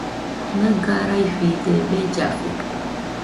Nɨga raifide bellafu.